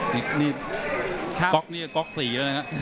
นี่ก๊อกนี่ก็ก๊อก๔แล้วก็นะครับ